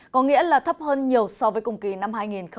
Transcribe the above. có nghĩa là thấp hơn nhiều so với cùng kỳ năm hai nghìn một mươi tám